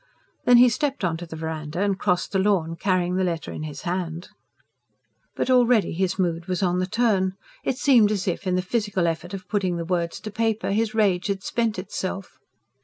Then he stepped on to the verandah and crossed the lawn, carrying the letter in his hand. But already his mood was on the turn: it seemed as if, in the physical effort of putting the words to paper, his rage had spent itself.